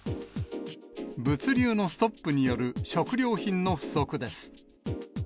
物流のストップによる食料品の不足です。